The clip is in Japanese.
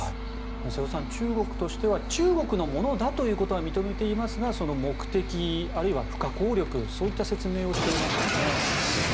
瀬尾さん、中国としては中国のものだということは認めていますが目的、不可抗力そういった説明をしていますよね。